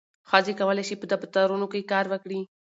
ښځې کولی شي په دفترونو کې کار وکړي.